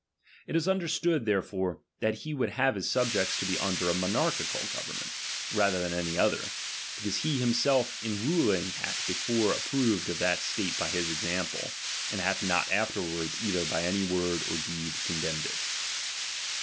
It is understood therefore, that he would have his subjects to be under a monarchical government, rather than any other, because he himself in ruling hath before ap proved of that state by his example, and hath not afterward either by any word or deed condemned it.